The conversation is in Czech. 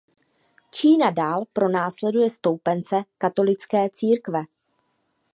Čína dál pronásleduje stoupence katolické církve.